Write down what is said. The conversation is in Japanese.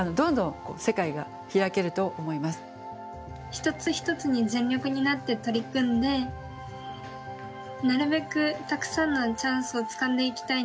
一つ一つに全力になって取り組んでなるべくたくさんのチャンスをつかんでいきたいなと思います。